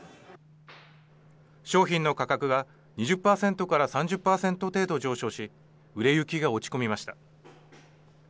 商品の価格が２０％から３０％程度上昇し売れ行きが落ち込みました。